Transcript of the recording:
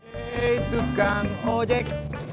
hei tukang ojek